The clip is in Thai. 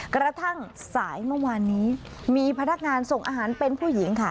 กระทั่งสายเมื่อวานนี้มีพนักงานส่งอาหารเป็นผู้หญิงค่ะ